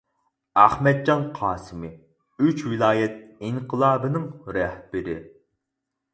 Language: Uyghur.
ئەخمەتجان قاسىمى: ئۈچ ۋىلايەت ئىنقىلابىنىڭ رەھبىرى.